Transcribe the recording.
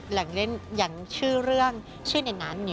แหล่งเล่นอย่างชื่อเรื่องชื่อในนั้น